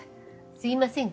すいません